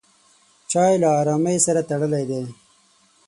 چای له ارامۍ سره تړلی دی.